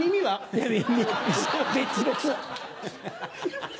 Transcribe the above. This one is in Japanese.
はい。